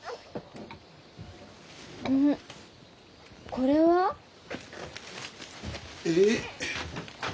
これは？えっ？